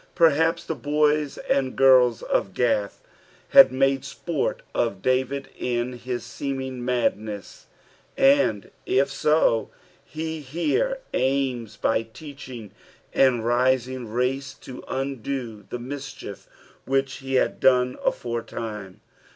Perhaps the boys and girls of Oath had made aport of David iu hia seemiog madness, and if BO, he here aims by teaching the rising race to undo the mischief which he had done aforetime.